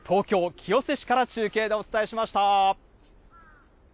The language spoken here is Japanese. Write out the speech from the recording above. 東京・清瀬市から中継でお伝えしました。